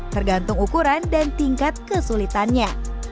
tergantung ukuran dan tingkat kesulitannya